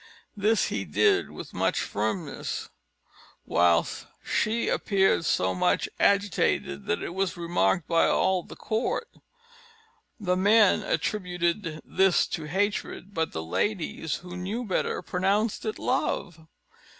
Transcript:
This he did with much firmness; while she appeared so much agitated, that it was remarked by all the court. The men attributed this to hatred; but the ladies, who knew better, pronounced it love.